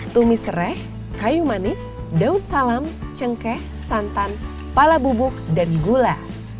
tumis serai kayu manis daun salam cengkeh santan pala bubuk dan gula